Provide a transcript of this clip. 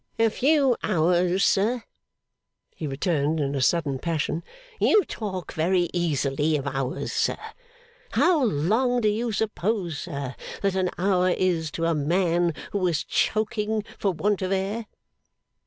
'A few hours, sir,' he returned in a sudden passion. 'You talk very easily of hours, sir! How long do you suppose, sir, that an hour is to a man who is choking for want of air?